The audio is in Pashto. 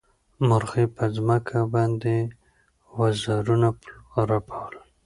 مرغۍ په ځمکه باندې وزرونه رپول.